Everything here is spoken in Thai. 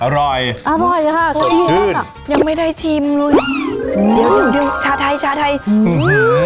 อร่อยอร่อยค่ะยังไม่ได้ชิมเลยชาไทยชาไทย